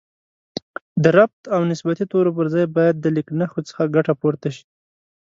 د ربط او نسبتي تورو پر ځای باید د لیکنښو څخه ګټه پورته شي